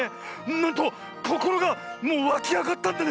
なんとこころがもうわきあがったんだね！